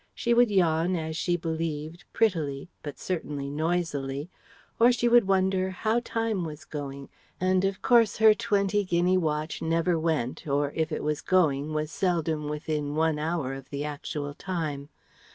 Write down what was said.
She would yawn, as she believed "prettily," but certainly noisily; or she would wonder "how time was going," and of course her twenty guinea watch never went, or if it was going was seldom within one hour of the actual time.